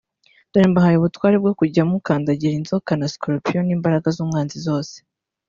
Dore mbahaye ubutware bwo kujya mukandagira inzoka na sikoropiyo n’imbaraga z’Umwanzi zose